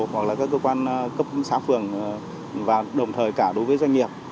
hoặc là các cơ quan cấp xã phường và đồng thời cả đối với doanh nghiệp